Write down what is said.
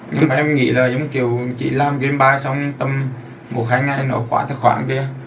nhưng mà em nghĩ là giống kiểu chỉ làm game ba xong tầm một hai ngày nó quá tài khoản kia